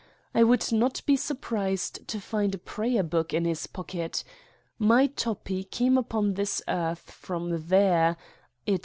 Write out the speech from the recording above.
I would not be surprised to find a prayer book in his pocket. My Toppi came upon this earth from there, i.e.